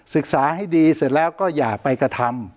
ศึกษาให้ดีเสร็จแล้วก็อย่าไปกระทำ